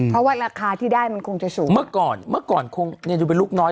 เพราะว่าราคาที่ได้มันคงจะสูงเมื่อก่อนคงอยู่เป็นลูกน้อย